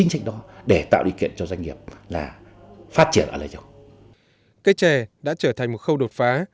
cây trè đã trở thành một khâu đột phá